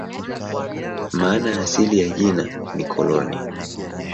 Maana asili ya jina ni "koloni".